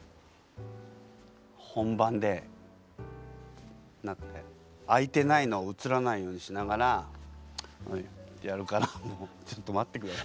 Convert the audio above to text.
本番でなって開いてないのを映らないようにしながらほいってやるからちょっと待ってくれと。